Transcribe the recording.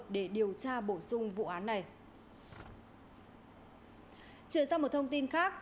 để điều tra bổ sung vụ án này